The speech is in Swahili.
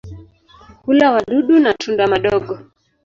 Hula wadudu na tunda madogo.